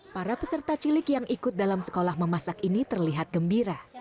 para peserta cilik yang ikut dalam sekolah memasak ini terlihat gembira